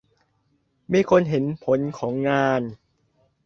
มีคนเห็นผลของงาน